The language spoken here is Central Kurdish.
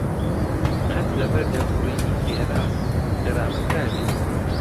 قەت لەبەر لێخوڕینی خێرا غەرامە کراویت؟